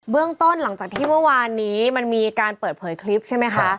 เรื่องต้นหลังจากที่เมื่อวานนี้มันมีการเปิดเผยคลิปใช่ไหมคะ